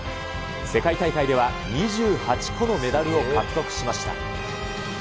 世界大会では２８個のメダルを獲得しました。